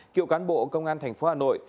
cựu cán bộ công an tp hà nội